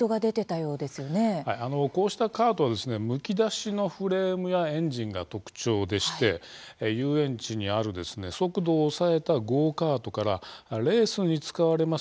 こうしたカートはむき出しのフレームやエンジンが特徴でして遊園地にある速度を抑えたゴーカートからレースに使われます